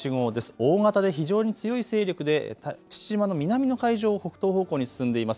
大型で非常に強い勢力で父島の南の海上を北東方向に進んでいます。